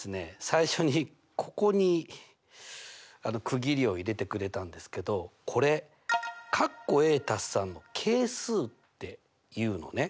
最初にここに区切りを入れてくれたんですけどこれの係数って言うのね。